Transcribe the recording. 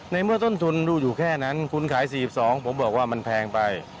เมื่อต้นทุนดูอยู่แค่นั้นคุณขาย๔๒ผมบอกว่ามันแพงไป